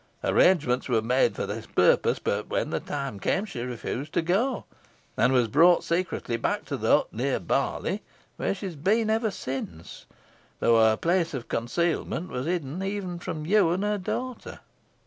Arrangements were made for this purpose; but when the time came, she refused to go, and was brought secretly back to the hut near Barley, where she has been ever since, though her place of concealment was hidden even from you and her daughter."